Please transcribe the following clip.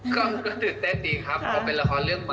ก็ตื่นเต้นดีครับเพราะเป็นละครเรื่องใหม่